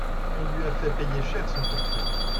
On lui a fait payer cher son forfait.